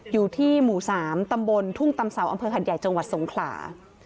อยู่ที่หมู่๓ตำบลทุ่งตำเสาอำเภอหัดใหญ่จังหวัดสงขลา